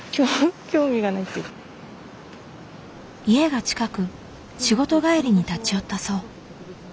家が近く仕事帰りに立ち寄ったそう。